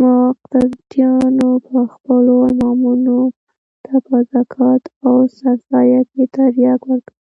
مقتديانو به خپلو امامانو ته په زکات او سرسايه کښې ترياک ورکول.